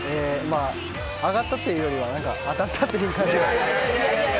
上がったというよりは当たったという感じが。